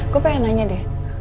gue pengen nanya deh